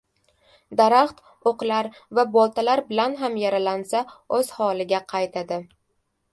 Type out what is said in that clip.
• Daraxt o‘qlar va boltalar bilan ham yaralansa o‘z holiga qaytadi.